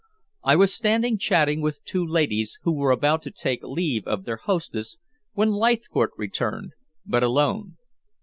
I was standing chatting with two ladies who were about to take leave of their hostess, when Leithcourt returned, but alone.